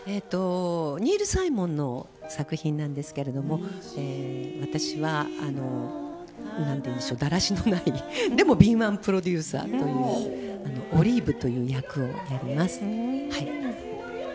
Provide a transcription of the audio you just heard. ニール・サイモンの作品なんですけど私はだらしのない、でも敏腕プロデューサーというオリーブという役をやります。